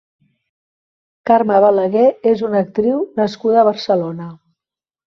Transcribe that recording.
Carme Balagué és una actriu nascuda a Barcelona.